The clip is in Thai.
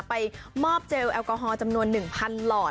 ไปมอบเจลแอลกอฮอลจำนวน๑๐๐หลอด